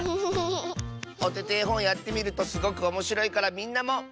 「おててえほん」やってみるとすごくおもしろいからみんなも。